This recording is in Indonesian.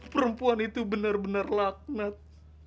perempuan itu benar benar laknat